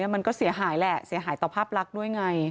มันก็เสียหายแหละเสียหายต่อภาพลักษณ์ด้วยไง